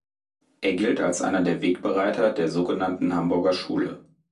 Er gilt als einer der Wegbereiter der sogenannten Hamburger Schule.